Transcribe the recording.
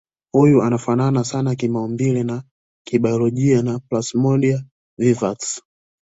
Huyu anafanana sana kimaumbile na kibayolojia na Plasmodium vivax